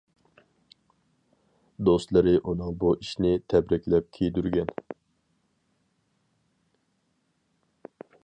دوستلىرى ئۇنىڭ بۇ ئىشىنى تەبرىكلەپ كىيدۈرگەن.